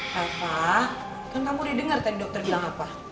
rafa kan kamu udah denger tadi dokter bilang apa